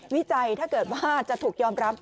วิจัยถ้าเกิดว่าจะถูกยอมรับ